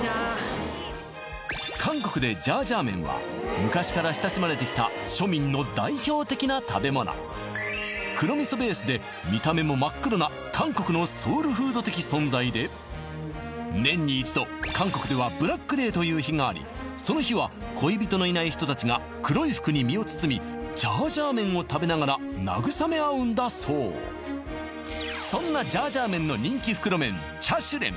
韓国でジャージャー麺は昔から親しまれてきた庶民の代表的な食べ物黒味噌ベースで見た目も真っ黒な韓国のソウルフード的存在で年に一度韓国ではブラックデーという日がありその日は恋人のいない人たちが黒い服に身を包みジャージャー麺を食べながら慰め合うんだそうそんなジャージャー麺の人気袋麺チャシュレン